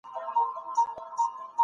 د ستورو علم په تحقیق کې کارول کیږي.